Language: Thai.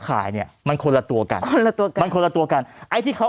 ขายเนี้ยมันคนละตัวกันคนละตัวกันมันคนละตัวกันไอ้ที่เขา